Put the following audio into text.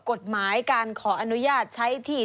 กฎหมายการขออนุญาตใช้ที่